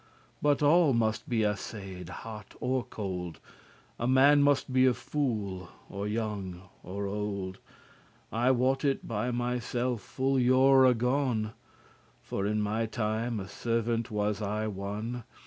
But all must be assayed hot or cold; A man must be a fool, or young or old; I wot it by myself *full yore agone*: *long years ago* For in my time a servant was I one.